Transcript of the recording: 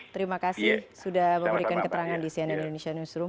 terima kasih sudah memberikan keterangan di cnn indonesia newsroom